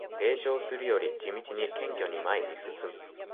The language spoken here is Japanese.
冷笑するより地道に謙虚に前に進む